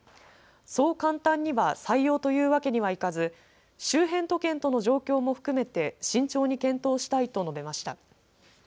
そう簡単には採用というわけにはいかず周辺都県との状況も含めて慎重に検討したいと述べました。